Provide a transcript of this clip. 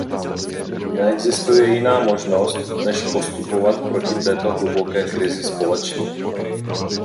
Neexistuje jiná možnost než postupovat proti této hluboké krizi společně.